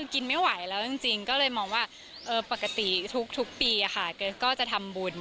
กินไม่ไหวแล้วจริงก็เลยมองว่าปกติทุกปีค่ะก็จะทำบุญ